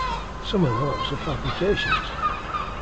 Some of those are fabrications.